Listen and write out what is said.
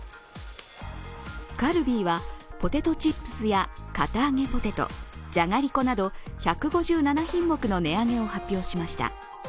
カルビーは、ポテトチップスや堅あげポテトじゃがりこなど１５７品目の値上げを発表しました。